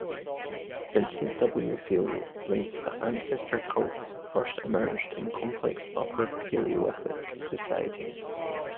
Vincent W. Fallio writes that ancestor cults first emerged in complex Upper Paleolithic societies.